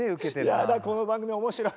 やだこの番組面白い。